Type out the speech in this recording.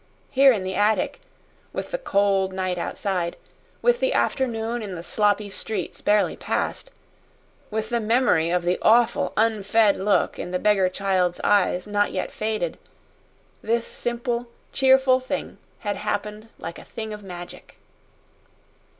Here in the attic with the cold night outside with the afternoon in the sloppy streets barely passed with the memory of the awful unfed look in the beggar child's eyes not yet faded this simple, cheerful thing had happened like a thing of magic.